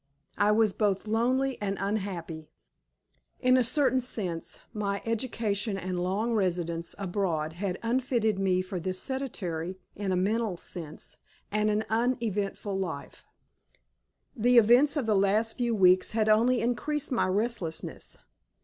I was both lonely and unhappy. In a certain sense my education and long residence abroad had unfitted me for this sedentary (in a mental sense) and uneventful life. The events of the last few weeks had only increased my restlessness.